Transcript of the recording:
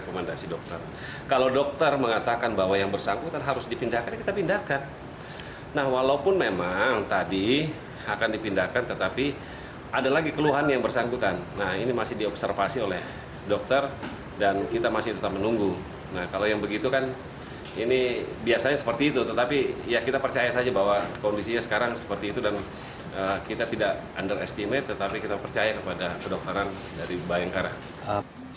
kondisinya sekarang seperti itu dan kita tidak underestimate tetapi kita percaya kepada kedokteran dari bayangkara